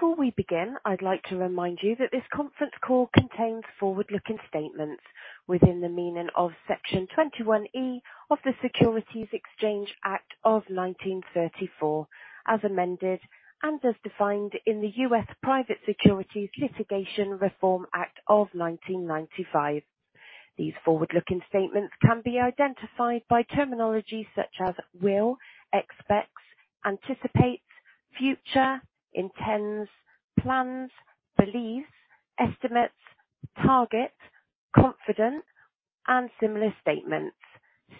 Before we begin, I'd like to remind you that this conference call contains forward-looking statements within the meaning of Section 21E of the Securities Exchange Act of 1934 as amended, and as defined in the US Private Securities Litigation Reform Act of 1995. These forward-looking statements can be identified by terminology such as will, expects, anticipates, future, intends, plans, believes, estimates, targets, confident, and similar statements.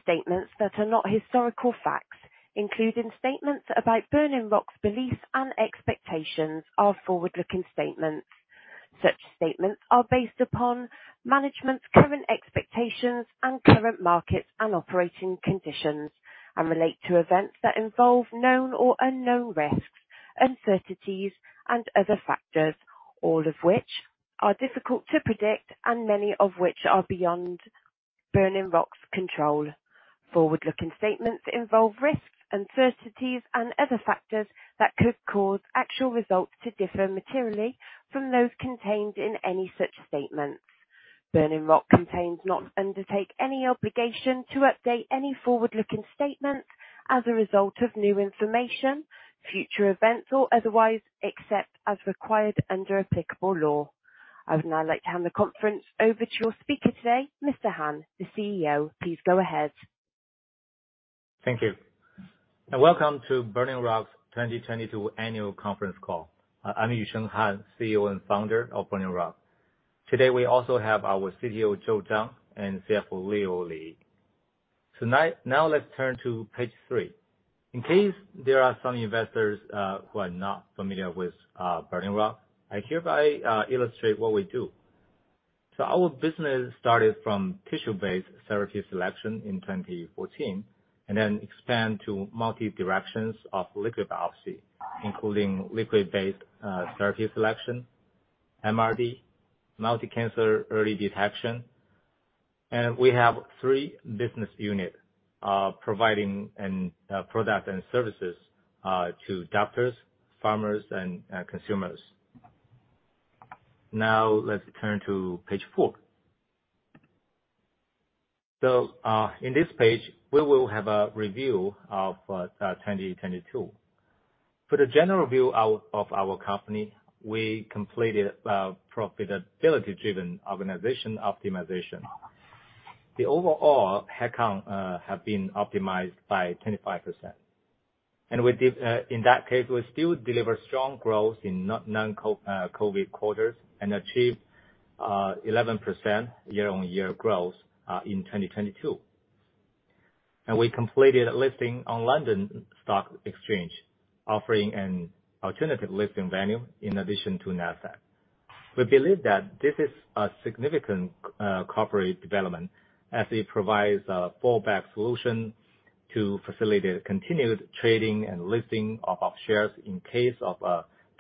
Statements that are not historical facts, including statements about Burning Rock's beliefs and expectations, are forward-looking statements. Such statements are based upon management's current expectations and current market and operating conditions and relate to events that involve known or unknown risks, uncertainties, and other factors, all of which are difficult to predict and many of which are beyond Burning Rock's control. Forward-looking statements involve risks, uncertainties, and other factors that could cause actual results to differ materially from those contained in any such statements. Burning Rock contains not undertake any obligation to update any forward-looking statements as a result of new information, future events, or otherwise, except as required under applicable law. I would now like to hand the conference over to your speaker today, Mr. Han, the CEO. Please go ahead. Thank you, welcome to Burning Rock's 2022 annual conference call. I'm Yusheng Han, CEO and founder of Burning Rock. Today, we also have our CTO, Joe Zhang, and CFO, Leo Li. Let's turn to page three. In case there are some investors who are not familiar with Burning Rock, I hereby illustrate what we do. Our business started from tissue-based therapy selection in 2014, and then expand to multi directions of liquid biopsy, including liquid-based therapy selection, MRD, multi-cancer early detection. We have three business unit providing product and services to doctors, pharma and consumers. Let's turn to page four. In this page, we will have a review of 2022. For the general view of our company, we completed a profitability-driven organization optimization. The overall headcount have been optimized by 25%. In that case, we still deliver strong growth in non COVID quarters and achieve 11% year-on-year growth in 2022. We completed a listing on London Stock Exchange, offering an alternative listing venue in addition to Nasdaq. We believe that this is a significant corporate development as it provides a fallback solution to facilitate continued trading and listing of shares in case of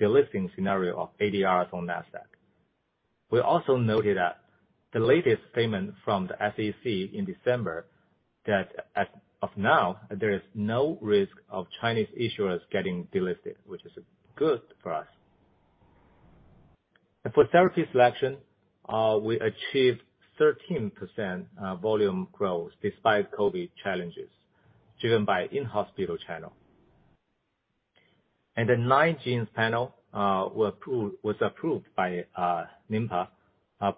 delisting scenario of ADRs on Nasdaq. We also noted that the latest statement from the SEC in December that as of now, there is no risk of Chinese issuers getting delisted, which is good for us. For therapy selection, we achieved 13% volume growth despite COVID challenges driven by in-hospital channel. The Nine-Gene Panel was approved by NMPA,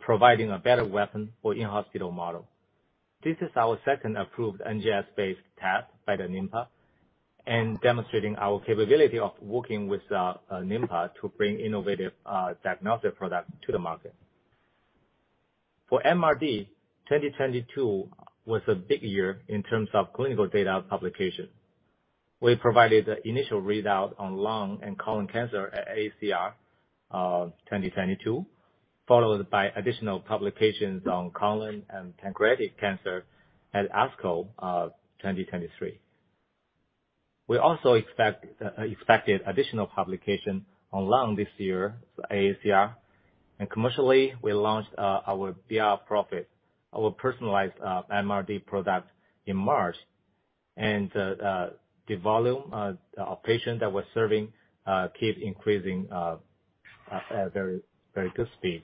providing a better weapon for in-hospital model. This is our second approved NGS-based test by the NMPA, demonstrating our capability of working with NMPA to bring innovative diagnostic products to the market. For MRD, 2022 was a big year in terms of clinical data publication. We provided the initial readout on lung and colon cancer at AACR 2022, followed by additional publications on colon and pancreatic cancer at ASCO 2023. We also expected additional publication on lung this year for AACR. Commercially, we launched our brPROPHET, our personalized MRD product in March. The volume of patient that we're serving keep increasing very good speed.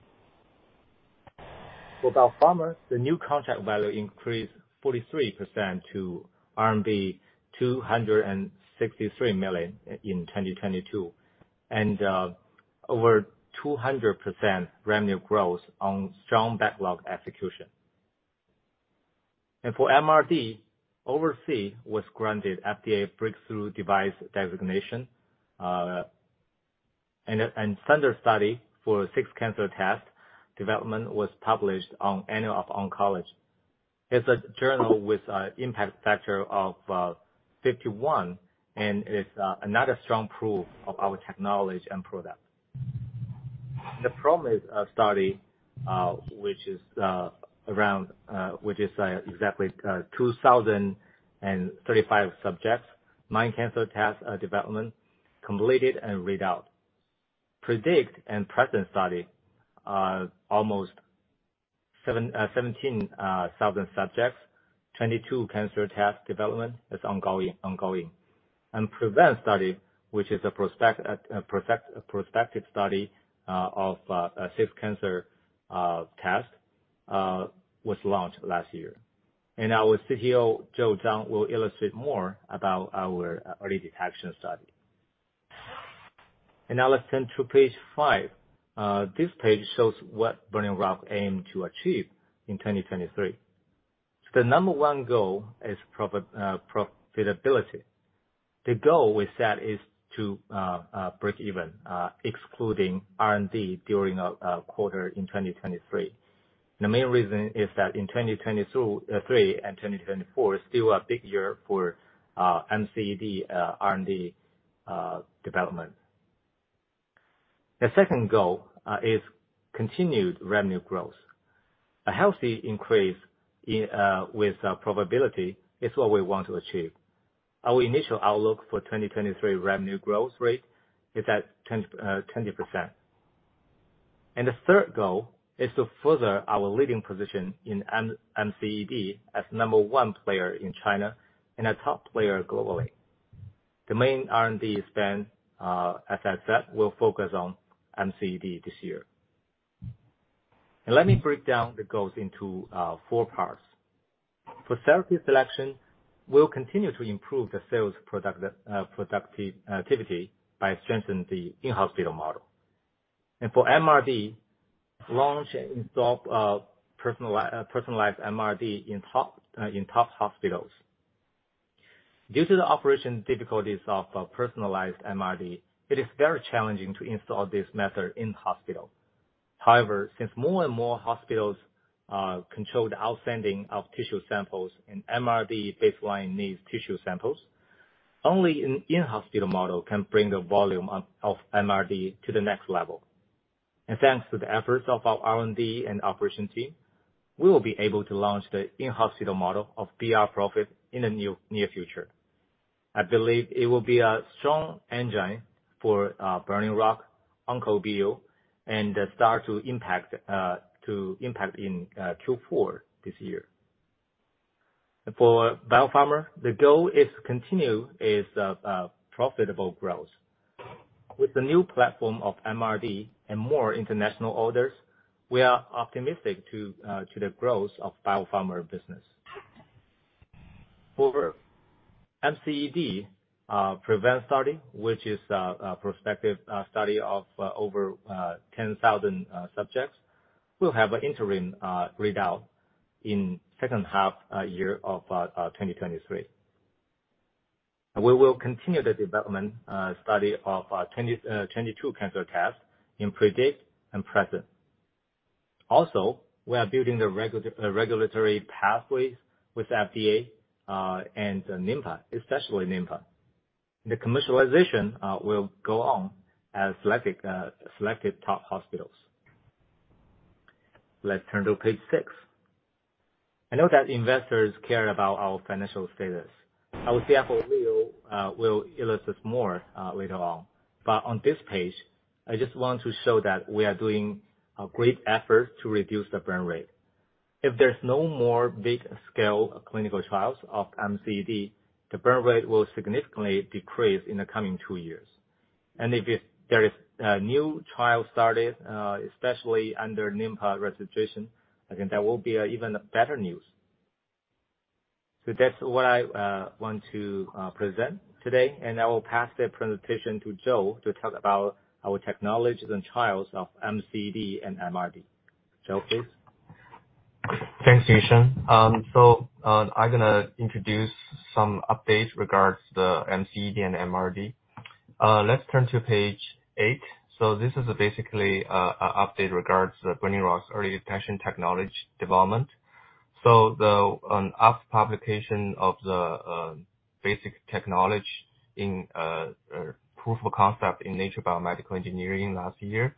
For Biopharma, the new contract value increased 43% to RMB 263 million in 2022, over 200% revenue growth on strong backlog execution. For MRD, OverC was granted FDA Breakthrough Device designation, and center study for six cancer test development was published on Annals of Oncology. It's a journal with impact factor of 51 and is another strong proof of our technology and product. The PROMISE study, which is exactly 2,035 subjects, nine cancer test development completed and read out. PREDICT and PRESCIENT study are 17,000 subjects; 22-cancer test development is ongoing. PREVENT study, which is a prospective study of six cancer test, was launched last year. Our CTO, Joe Zhang, will illustrate more about our early detection study. Now let's turn to page five. This page shows what Burning Rock aim to achieve in 2023. The number one goal is profit, profitability. The goal we set is to break even, excluding R&D during a quarter in 2023. The main reason is that in 2023 and 2024 is still a big year for MCED R&D development. The second goal is continued revenue growth. A healthy increase with profitability is what we want to achieve. Our initial outlook for 2023 revenue growth rate is at 10%. The third goal is to further our leading position in MCED as number one player in China and a top player globally. The main R&D spend, as I said, will focus on MCED this year. Let me break down the goals into four parts. For therapy selection, we'll continue to improve the sales product productivity by strengthening the in-hospital model. For MRD, launch and install personalized MRD in top hospitals. Due to the operation difficulties of a personalized MRD, it is very challenging to install this method in hospital. However, since more and more hospitals control the out sending of tissue samples and MRD baseline needs tissue samples, only an in-hospital model can bring the volume of MRD to the next level. Thanks to the efforts of our R&D and operation team, we will be able to launch the in-hospital model of brPROPHET in the near future. I believe it will be a strong engine for Burning Rock on OncoBU and start to impact in fourth quarter this year. For Biopharma, the goal is to continue as profitable growth. With the new platform of MRD and more international orders, we are optimistic to the growth of Biopharma business. For MCED, PREVENT study, which is a prospective study of over 10,000 subjects. We'll have an interim readout in second half year of 2023. We will continue the development study of 22-cancer tests in PREDICT and PREVENT. Also, we are building the regulatory pathways with FDA and NMPA, especially NMPA. The commercialization will go on as selected top hospitals. Let's turn to page six. I know that investors care about our financial status. Our CFO, Leo, will illustrate more later on. On this page, I just want to show that we are doing a great effort to reduce the burn rate. If there's no more big scale clinical trials of MCED, the burn rate will significantly decrease in the coming two years. If there is new trial started, especially under NMPA registration, I think that will be even better news. That's what I want to present today, and I will pass the presentation to Joe to talk about our technologies and trials of MCED and MRD. Joe, please. Thanks, Yusheng. I'm gonna introduce some updates regards the MCED and MRD. Let's turn to page eight. This is basically a update regards the Burning Rock's early detection technology development. After publication of the basic technology in proof of concept in Nature Biomedical Engineering last year,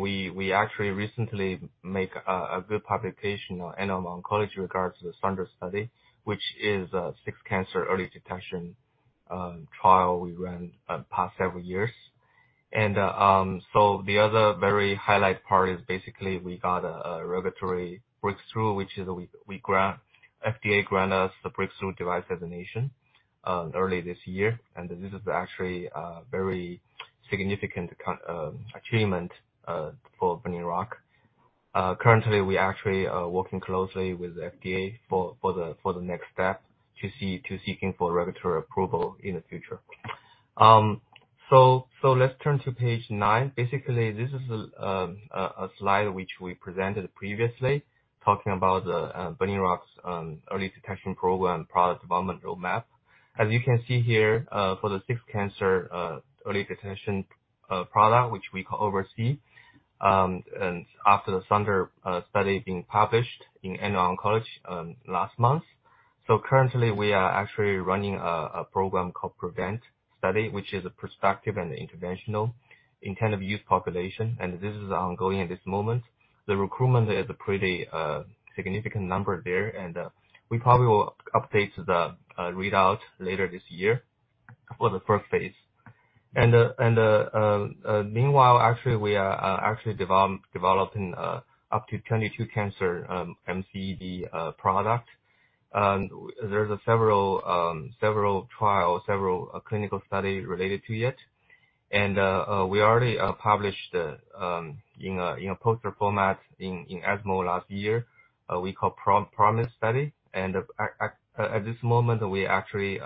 we actually recently make a good publication on Annals of Oncology regards to the THUNDER study, which is six cancer early detection trial we ran past several years. The other very highlight part is basically we got a regulatory breakthrough, which is FDA grant us the Breakthrough Device designation early this year. This is actually a very significant achievement for Burning Rock. Currently, we actually are working closely with FDA for the next step to seeking for regulatory approval in the future. Let's turn to page nine. Basically, this is a slide which we presented previously talking about the Burning Rock's early detection program product development roadmap. As you can see here, for the six cancer early detection product, which we oversee, and after the THUNDER study being published in Annals of Oncology last month. Currently, we are actually running a program called PREVENT study, which is a prospective and interventional in kind of youth population, and this is ongoing at this moment. The recruitment is a pretty significant number there, and we probably will update the readout later this year. For the first phase. Meanwhile, actually, we are actually developing up to 22-cancer MCED product. There's several trials, several clinical studies related to it. We already published in a poster format in ESMO last year, we call PROMISE study. At this moment, we actually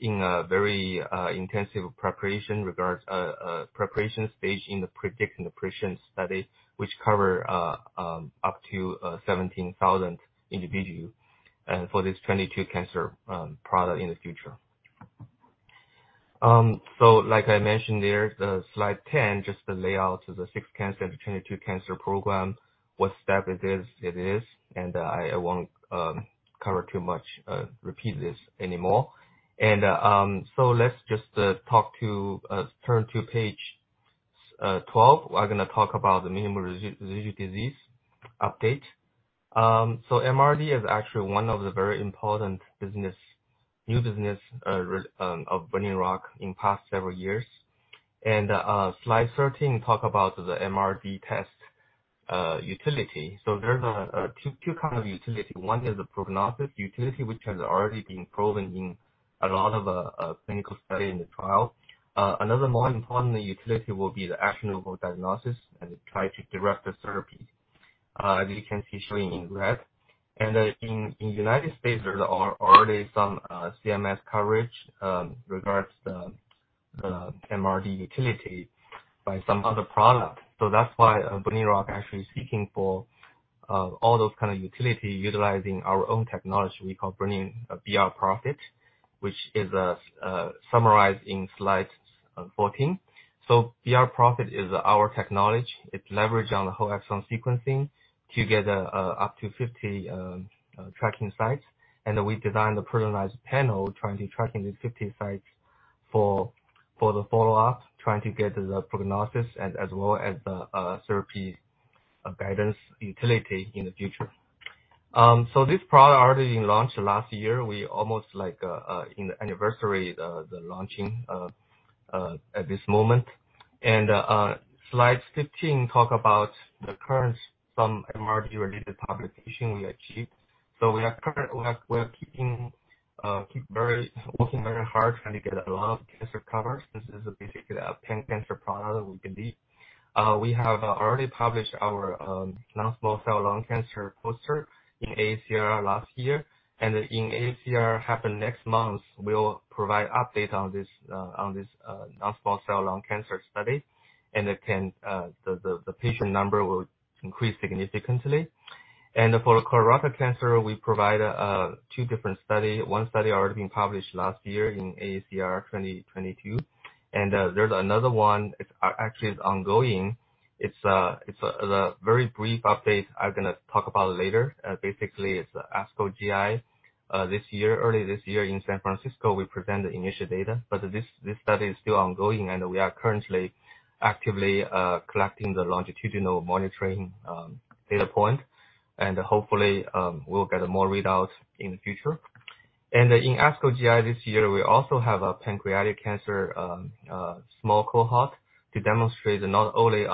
in a very intensive preparation regards preparation stage in the predicting the precision study, which cover up to 17,000 individuals for this 22-cancer product in the future. Like I mentioned there, the slide 10, just the layout of the six cancer, the 22-cancer program, what step it is. I won't cover too much repeat this anymore. Let's just talk to turn to page 12. We're gonna talk about the Minimal Residual Disease update. MRD is actually one of the very important business, new business of Burning Rock in past several years. Slide 13 talk about the MRD test utility. There's two kind of utility. One is the prognostic utility, which has already been proven in a lot of clinical study in the trial. Another more importantly utility will be the actionable diagnosis and try to direct the therapy, as you can see shown in red. In United States, there are already some CMS coverage regards the MRD utility by some other product. That's why Burning Rock actually seeking for all those kind of utility utilizing our own technology we call Burning brPROPHET, which is summarized in slide 14. brPROPHET is our technology. It leverage on the whole exome sequencing to get up to 50 tracking sites. We designed a personalized panel trying to tracking these 50 sites for the follow-up, trying to get the prognosis as well as the therapy guidance utility in the future. This product already launched last year. We almost like in the anniversary the launching at this moment. Slide 15 talk about the current, some MRD-related publication we achieved. We are keeping working very hard trying to get a lot of cancer covers. This is basically a pan-cancer product we believe. We have already published our non-small cell lung cancer poster in AACR last year. In AACR happen next month, we'll provide update on this non-small cell lung cancer study, and the patient number will increase significantly. For colorectal cancer, we provide two different study. One study already been published last year in AACR 2022. There's another one, it's actually ongoing. It's a very brief update I'm gonna talk about later. Basically, it's ASCO GI. This year, early this year in San Francisco, we present the initial data, but this study is still ongoing and we are currently actively collecting the longitudinal monitoring data point, and hopefully we'll get more readouts in the future. In ASCO GI this year, we also have a pancreatic cancer small cohort to demonstrate not only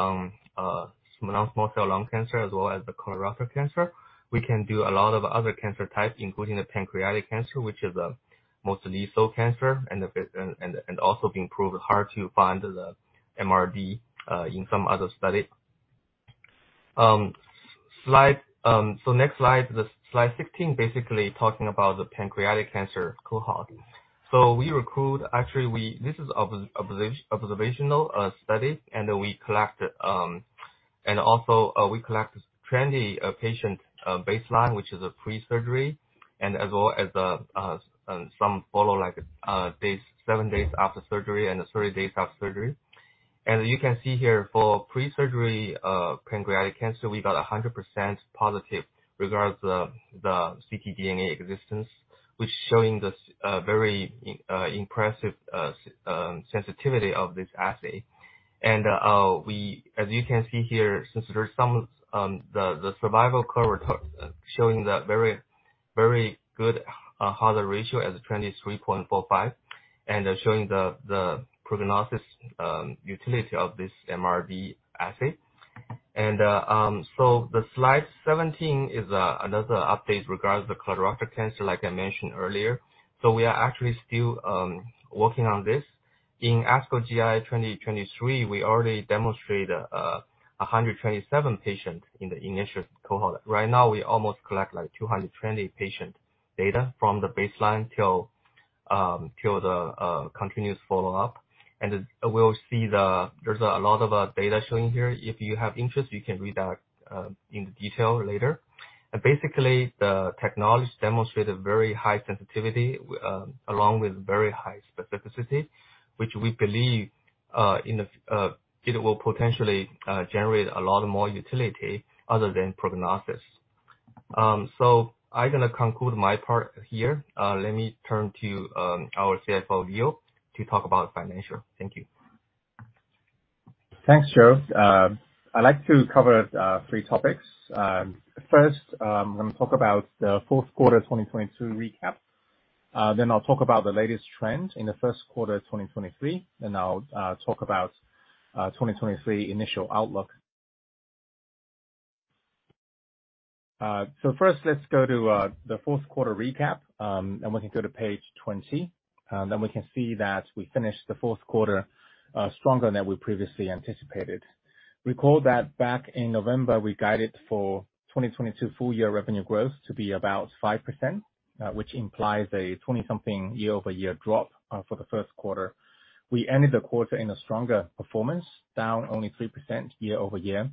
non-small cell lung cancer as well as the colorectal cancer. We can do a lot of other cancer types, including the pancreatic cancer, which is a most lethal cancer and also been proved hard to find the MRD in some other study. Next slide, the slide 16 basically talking about the pancreatic cancer cohort. Actually, we, this is observational study, and we collect, and also, we collect 20 patient baseline, which is a pre-surgery, and as well as some follow, like, days, seven days after surgery and 30 days after surgery. You can see here for pre-surgery pancreatic cancer, we got 100% positive regards the ctDNA existence, which showing this very impressive sensitivity of this assay. We, as you can see here, since there's some the survival curve showing the very good hazard ratio as a 23.45, and showing the prognosis utility of this MRD assay. The slide 17 is another update regards the colorectal cancer, like I mentioned earlier. We are actually still working on this. In ASCO GI 2023, we already demonstrate 127 patients in the initial cohort. Right now, we almost collect like 220 patient data from the baseline till the continuous follow-up. We'll see, there's a lot of data showing here. If you have interest, you can read that in detail later. Basically, the technology demonstrated very high sensitivity along with very high specificity, which we believe, it will potentially generate a lot more utility other than prognosis. So, I'm gonna conclude my part here. Let me turn to our CFO, Leo, to talk about financial. Thank you. Thanks, Joe. I'd like to cover three topics. First, I'm gonna talk about the fourth quarter 2022 recap. I'll talk about the latest trend in the first quarter 2023, and I'll talk about 2023 initial outlook. Let's go to the fourth quarter recap, and we can go to page 20. We can see that we finished the fourth quarter stronger than we previously anticipated. Recall that back in November, we guided for 2022 full year revenue growth to be about 5%, which implies a 20-something year-over-year drop for the first quarter. We ended the quarter in a stronger performance, down only 3% year-over-year.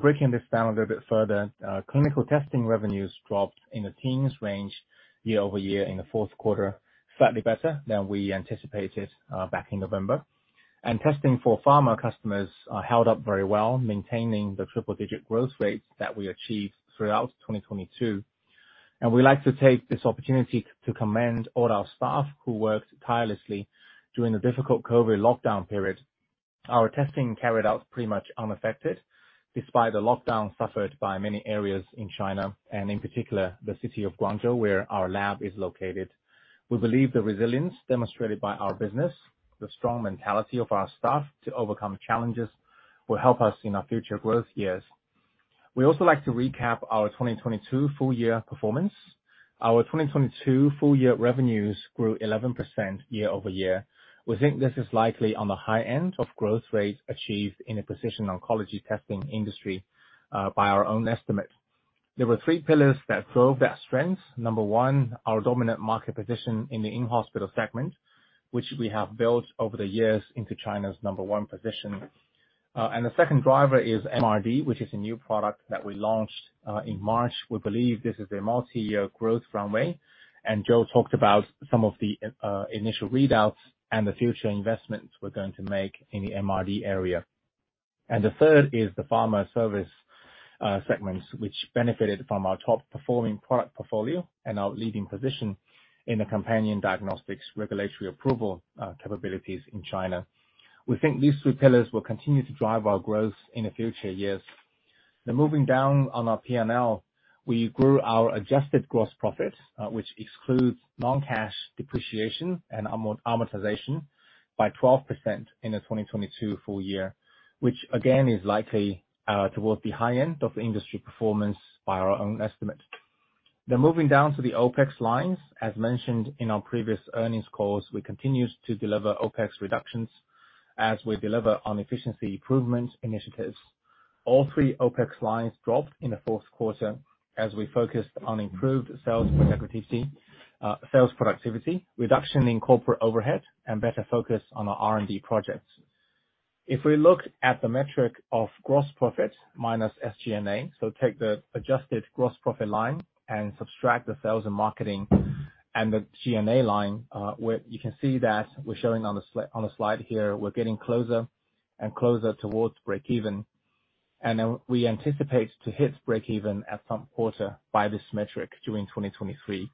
Breaking this down a little bit further, clinical testing revenues dropped in the teens range year-over-year in the fourth quarter, slightly better than we anticipated back in November. Testing for pharma customers held up very well, maintaining the triple digit growth rates that we achieved throughout 2022. We like to take this opportunity to commend all our staff who worked tirelessly during the difficult COVID lockdown period. Our testing carried out pretty much unaffected despite the lockdown suffered by many areas in China, and in particular, the city of Guangzhou, where our lab is located. We believe the resilience demonstrated by our business, the strong mentality of our staff to overcome challenges will help us in our future growth years. We also like to recap our 2022 full year performance. Our 2022 full year revenues grew 11% year over year. We think this is likely on the high end of growth rates achieved in the precision oncology testing industry, by our own estimate. There were three pillars that drove that strength. Number one, our dominant market position in the in-hospital segment, which we have built over the years into China's number one position. The second driver is MRD, which is a new product that we launched in March. We believe this is a multi-year growth runway, and Joe talked about some of the initial readouts and the future investments we're going to make in the MRD area. The third is the pharma service segments, which benefited from our top performing product portfolio and our leading position in the companion diagnostics regulatory approval capabilities in China. We think these three pillars will continue to drive our growth in the future years. Moving down on our P&L, we grew our adjusted gross profits, which excludes non-cash depreciation and amortization by 12% in the 2022 full year, which again is likely towards the high end of industry performance by our own estimate. Moving down to the OpEx lines, as mentioned in our previous earnings calls, we continue to deliver OpEx reductions as we deliver on efficiency improvement initiatives. All three OpEx lines dropped in the fourth quarter as we focused on improved sales productivity, reduction in corporate overhead, and better focus on our R&D projects. If we look at the metric of gross profit minus SG&A, so take the adjusted gross profit line and subtract the sales and marketing and the G&A line, where you can see that we're showing on the slide here, we're getting closer and closer towards breakeven. We anticipate to hit breakeven at some quarter by this metric during 2023.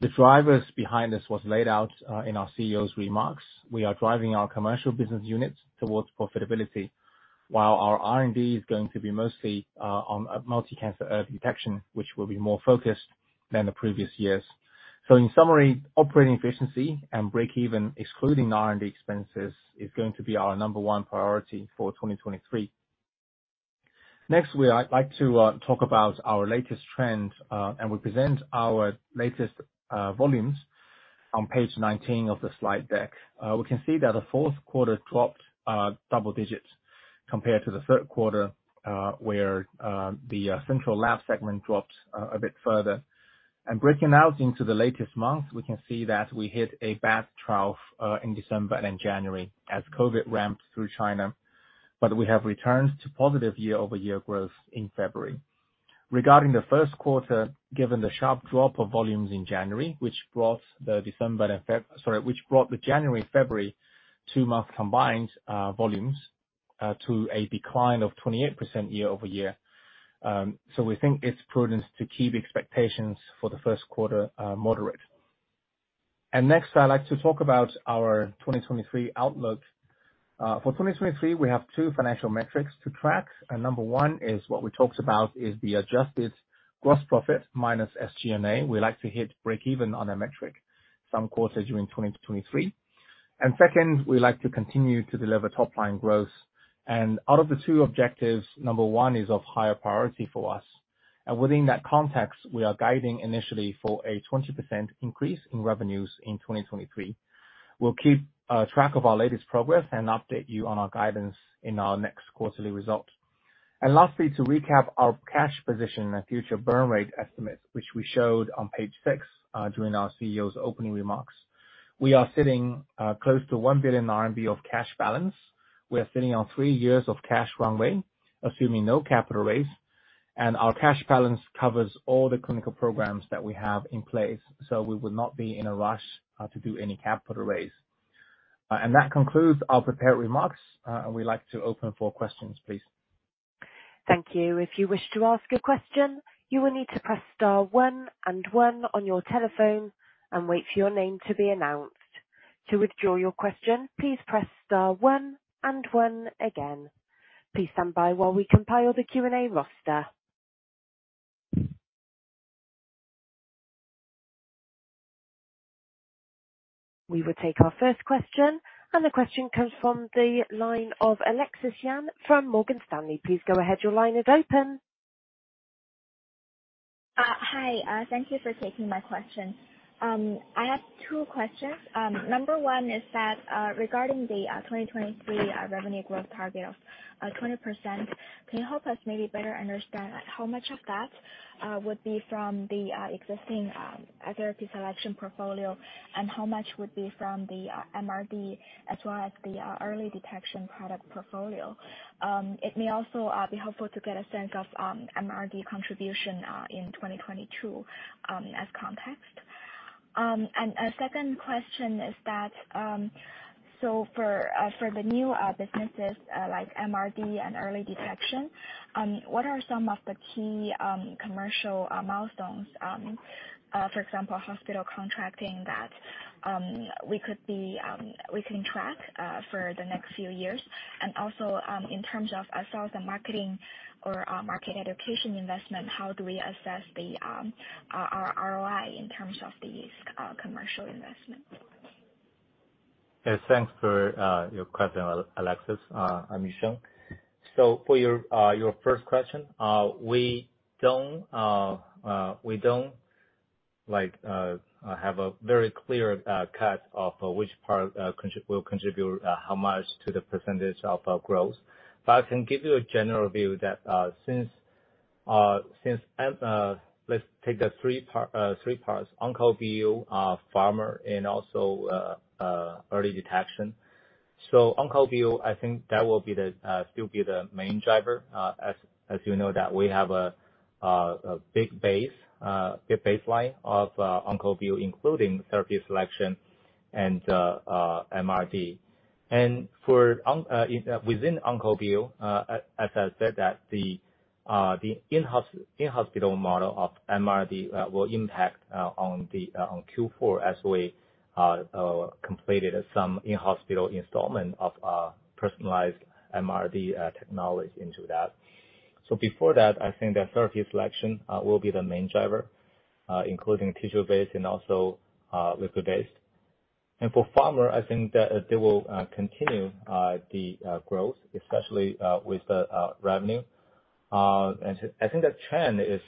The drivers behind this was laid out in our CEO's remarks. We are driving our commercial business units towards profitability while our R&D is going to be mostly on multi-cancer early detection, which will be more focused than the previous years. In summary, operating efficiency and breakeven excluding R&D expenses is going to be our number one priority for 2023. Next, I'd like to talk about our latest trends, and we present our latest volumes on page 19 of the slide deck. We can see that the fourth quarter dropped double digits compared to the third quarter, where the central lab segment dropped a bit further. Breaking out into the latest month, we can see that we hit a bad trough in December and January as COVID ramped through China, but we have returned to positive year-over-year growth in February. Regarding the first quarter, given the sharp drop of volumes in January, which brought the January and February two-month combined volumes to a decline of 28% year-over-year. We think it's prudent to keep expectations for the first quarter moderate. Next, I'd like to talk about our 2023 outlook. For 2023, we have two financial metrics to track. Number one is what we talked about is the adjusted gross profit minus SG&A. We like to hit breakeven on a metric some quarters during 2023. Second, we like to continue to deliver top line growth. Out of the two objectives, number one is of higher priority for us. Within that context, we are guiding initially for a 20% increase in revenues in 2023. We'll keep track of our latest progress and update you on our guidance in our next quarterly result. Lastly, to recap our cash position and future burn rate estimates, which we showed on page six, during our CEO's opening remarks. We are sitting close to 1 billion RMB of cash balance. We are sitting on three years of cash runway, assuming no capital raise, and our cash balance covers all the clinical programs that we have in place. We would not be in a rush to do any capital raise. That concludes our prepared remarks, and we'd like to open for questions, please. Thank you. If you wish to ask a question, you will need to press star one and one on your telephone and wait for your name to be announced. To withdraw your question, please press star one and one again. Please stand by while we compile the Q&A roster. We will take our first question, and the question comes from the line of Alexis Yan from Morgan Stanley. Please go ahead. Your line is open. Hi. Thank you for taking my question. I have two questions. Number one is that regarding the 2023 revenue growth target of 20%, can you help us maybe better understand how much of that would be from the existing therapy selection portfolio and how much would be from the MRD as well as the early detection product portfolio? It may also be helpful to get a sense of MRD contribution in 2022 as context. A second question is that, so for the new businesses, like MRD and early detection, what are some of the key commercial milestones, for example, hospital contracting that we could be, we can track for the next few years and also, in terms of sales and marketing or market education investment, how do we assess the ROI in terms of these commercial investments? Yes, thanks for your question, Alexis. I'm Yusheng. For your first question, we don't like have a very clear cut of which part will contribute how much to the percentage of our growth. I can give you a general view that since let's take the three parts, OncoBU, pharma and also early detection. OncoBU, I think that will be the still be the main driver. As you know that we have a big baseline of OncoBU, including therapy selection and MRD. For on within OncoBU, as I said that the in-hospital model of MRD will impact on the on fourth quarter as we completed some in-hospital installment of personalized MRD technology into that. Before that, I think the therapy selection will be the main driver, including tissue-based and also liquid-based. For pharma, I think that they will continue growth, especially with the revenue. I think the trend is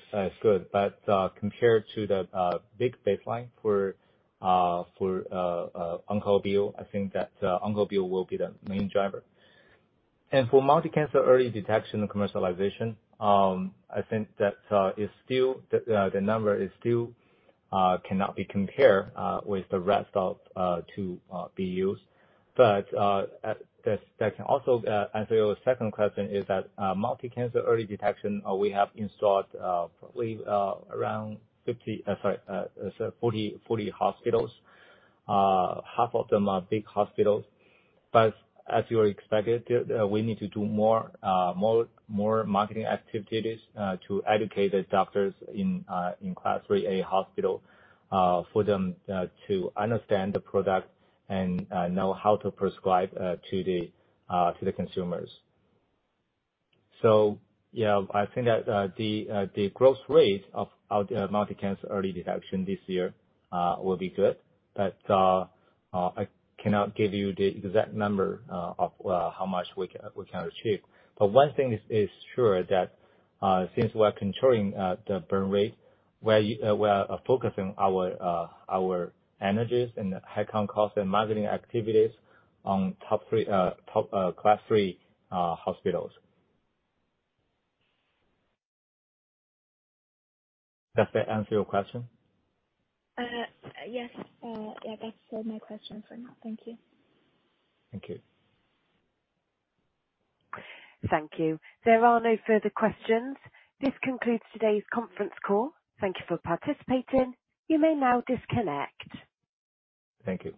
good, but compared to the big baseline for for OncoBU, I think that OncoBU will be the main driver. For multi-cancer early detection and commercialization, I think that is still the number is still cannot be compared with the rest of two BUs. er your second question is that multi-cancer early detection, we have installed probably around 50, sorry, so 40 hospitals. Half of them are big hospitals, but as you expected, we need to do more marketing activities to educate the doctors in Class III A hospital for them to understand the product and know how to prescribe to the consumers. Yeah, I think that the growth rate of our multi-cancer early detection this year will be good. I cannot give you the exact number of how much we can achieve. One thing is sure that since we're controlling the burn rate, we're focusing our energies and high content cost and marketing activities on top three Class III hospitals. Does that answer your question? Yes. That's all my questions for now. Thank you. Thank you. Thank you. There are no further questions. This concludes today's conference call. Thank you for participating. You may now disconnect. Thank you.